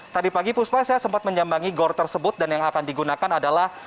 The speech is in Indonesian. tadi pagi puspa saya sempat menyambangi gor tersebut dan yang akan digunakan adalah